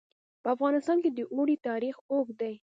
په افغانستان کې د اوړي تاریخ اوږد دی.